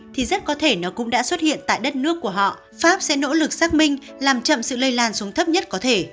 thì rất có thể nó cũng đã xuất hiện tại đất nước của họ pháp sẽ nỗ lực xác minh làm chậm sự lây lan xuống thấp nhất có thể